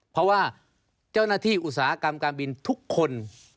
เพราะว่าเจ้าหน้าที่อุตสาหกรรมการบินทุกคน